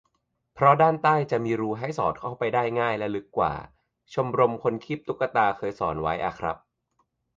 เพราะด้านใต้จะมีรูให้สอดเข้าไปได้ง่ายและลึกกว่า - ชมรมคนคีบตุ๊กตา เคยสอนไว้อะครับ